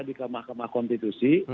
di kamar kamar konstitusi